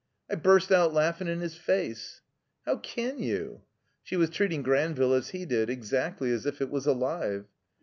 I burst out laughin' in his face." "How can you?" She was treating Granville as he did, exactly as if it was alive.